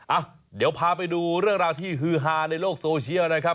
อ่ะเดี๋ยวพาไปดูเรื่องราวที่ฮือฮาในโลกโซเชียลนะครับ